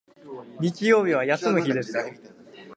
日曜日は休む日ですよ